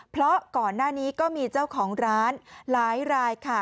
เพราะก่อนหน้านี้ก็มีเจ้าของร้านหลายรายค่ะ